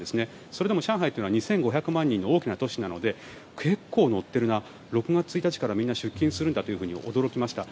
それでも上海というのは２５００万人の大きな都市なので結構、乗っているな６月１日からみんな出勤するんだと驚きました。